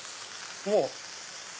もう。